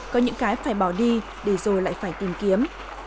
có những cái phải bỏ đi để rồi lại phải tìm kiếm